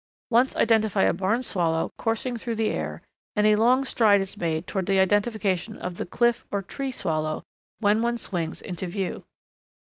Once identify a Barn Swallow coursing through the air, and a long stride is made toward the identification of the Cliff or Tree Swallow when one swings into view.